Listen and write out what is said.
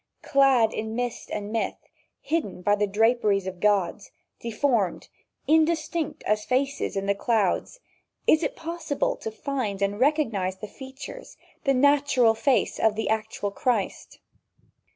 Clad in mist and myth, hidden by the draperies of gods, deformed, indistinct as faces in clouds, is it possible to find and recognize the features, the natural face of the actual Christ?